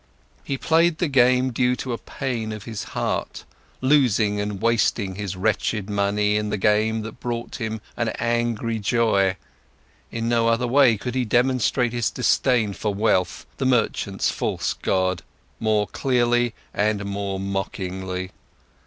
He played the game due to a pain of his heart, losing and wasting his wretched money in the game brought him an angry joy, in no other way he could demonstrate his disdain for wealth, the merchants' false god, more clearly and more mockingly.